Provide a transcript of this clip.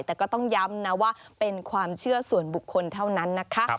แต่ก็ต้องย้ำนะว่าเป็นความเชื่อส่วนบุคคลเท่านั้นนะคะ